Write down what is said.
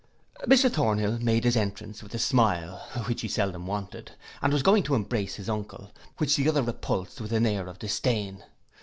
Mr Thornhill made his entrance with a smile, which he seldom wanted, and was going to embrace his uncle, which the other repulsed with an air of disdain.